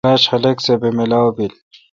کلاشہ خلق سہ بہ ملاو بیل۔